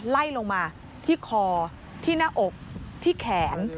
ไล่ลงมาที่คอที่หน้าอกที่แขน